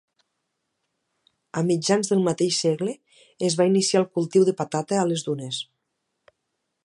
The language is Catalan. A mitjans del mateix segle, es va iniciar el cultiu de patata a les dunes.